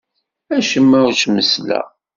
Acemma ur t-messleɣ.